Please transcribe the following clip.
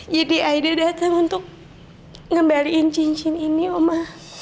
jadi aida datang untuk ngembalikan cincin ini oma